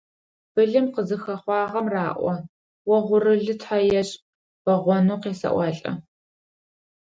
Былым къызыхэхъуагъэм раӀо: «Огъурылы тхьэ ешӀ!», «Бэгъонэу къесэӀуалӀэ.».